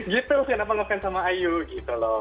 gitu kenapa ngefans sama iu gitu loh